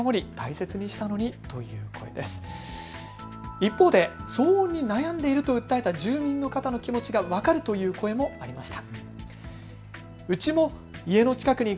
一方で騒音に悩んでいると訴えた住民の方の気持ちが分かるという声もありました。